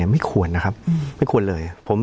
ไม่ควรนะครับไม่ควรเลย